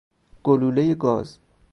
گلوله گاز